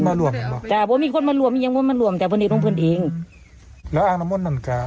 เพื่อนมีคนมารวมมียังคนมารวมทีแล้วอ้างน้ำมนต์มันก็